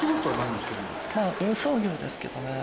運送業ですけどね